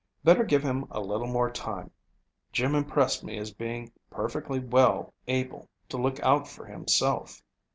Better give him a little more time. Jim impressed me as being perfectly well able to look out for himself."